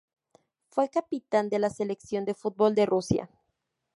Fue capitán de la selección de fútbol de Rusia.